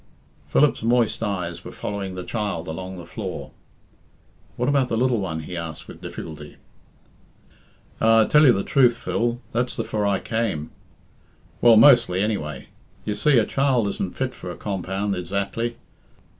Philip's moist eyes were following the child along the floor. "What about the little one?" he asked with difficulty. "Ah I tell you the truth, Phil, that's the for I came. Well, mostly, anyway. You see, a child isn't fit for a compound ezactly.